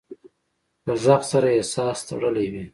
له غږ سره احساس تړلی وي.